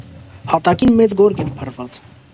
Հատակին մեծ գորգ էր փռված: